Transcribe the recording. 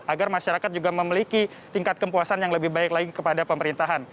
agar masyarakat juga memiliki tingkat kepuasan yang lebih baik lagi kepada pemerintahan